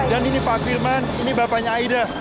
dan ini pak firman ini bapaknya aida